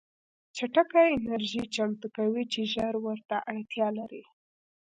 چټکه انرژي چمتو کوي چې ژر ورته اړتیا لري